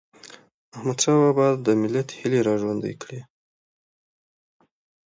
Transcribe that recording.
احمدشاه بابا د ملت هيلي را ژوندی کړي.